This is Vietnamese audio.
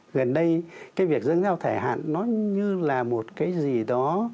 gần đây cái việc dân giao thể hạn nó như là một cái gì đó